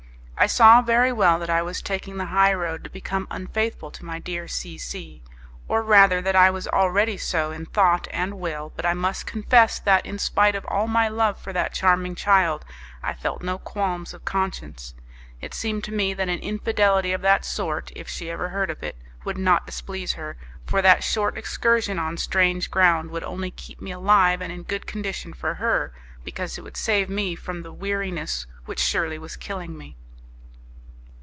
I saw very well that I was taking the high road to become unfaithful to my dear C C , or rather that I was already so in thought and will, but I must confess that, in spite of all my love for that charming child, I felt no qualms of conscience. It seemed to me that an infidelity of that sort, if she ever heard of it, would not displease her, for that short excursion on strange ground would only keep me alive and in good condition for her, because it would save me from the weariness which was surely killing me.